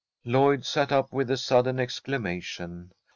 Lloyd sat up with a sudden exclamation.